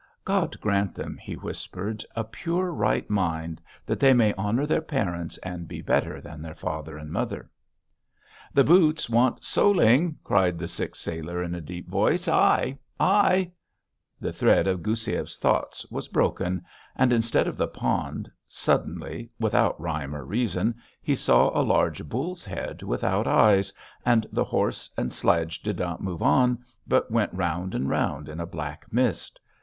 "God grant them," he whispered, "a pure right mind that they may honour their parents and be better than their father and mother...." "The boots want soling," cried the sick sailor in a deep voice. "Aye, aye." The thread of Goussiev's thoughts was broken, and instead of the pond, suddenly without rhyme or reason he saw a large bull's head without eyes, and the horse and sledge did not move on, but went round and round in a black mist.